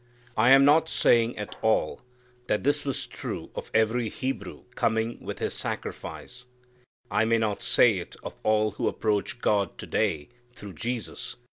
I am not saying at all that this was true of every Hebrew coming with his sacrifice. I may not say it of all who approach God to day through Jesus.